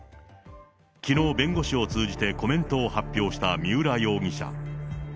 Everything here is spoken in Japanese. きのう、弁護士を通じてコメントを発表した三浦容疑者。